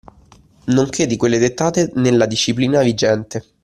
Nonché di quelle dettate nella disciplina vigente